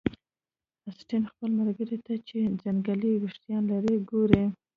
اسټین خپل ملګري ته چې ځنګلي ویښتان لري ګوري